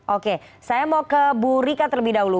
oke saya mau ke bu rika terlebih dahulu